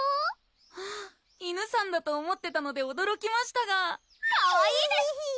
フフ犬さんだと思ってたのでおどろきましたがかわいいです！